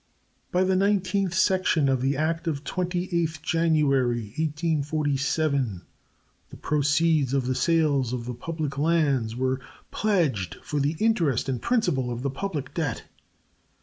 By the nineteenth section of the act of 28th January, 1847, the proceeds of the sales of the public lands were pledged for the interest and principal of the public debt.